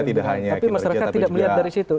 tapi masyarakat tidak melihat dari situ